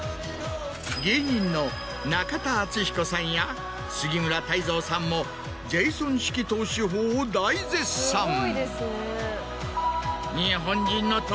芸人の中田敦彦さんや杉村太蔵さんもジェイソン式投資法を大絶賛。